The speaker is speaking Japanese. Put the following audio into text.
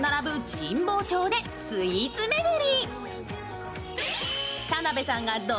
神保町でスイーツめぐり。